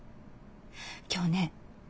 今日ね